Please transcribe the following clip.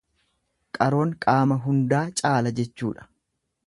Qaroon qaama hundaa caala jechuudha.